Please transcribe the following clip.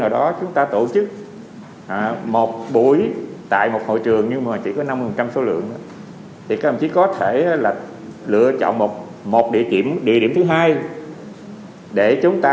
rộng rãi thoáng